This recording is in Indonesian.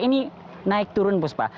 ini naik turun pak